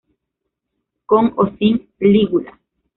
Con o sin lígula.